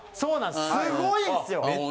すごいんですよ。